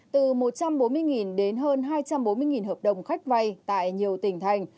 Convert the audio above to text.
từ một trăm bốn mươi đến hơn hai trăm bốn mươi hợp đồng khách vay tại nhiều tỉnh thành